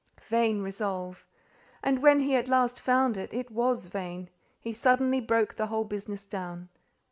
Vain resolve! And when he at last found it was vain, he suddenly broke the whole business down.